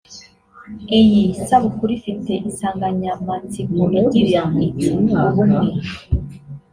Iyi sabukuru ifite insanganyamatsiko igira iti “Ubumwe